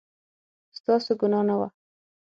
ستاسو ګناه نه وه